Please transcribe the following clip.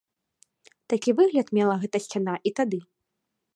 Такі выгляд мела гэтая сцяна і тады.